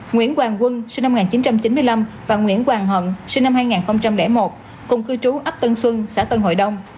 nguyễn hoàng quân sinh năm một nghìn chín trăm chín mươi năm và nguyễn hoàng hận sinh năm hai nghìn một cùng cư trú ấp tân xuân xã tân hội đông